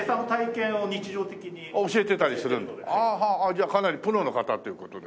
じゃあかなりプロの方っていう事で。